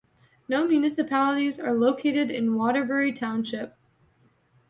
No municipalities are located in Waterbury Township.